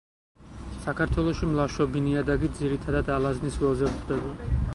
საქართველოში მლაშობი ნიადაგი ძირითადად ალაზნის ველზე გვხვდება.